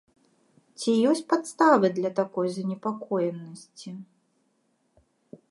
Ці ёсць падставы для такой занепакоенасці?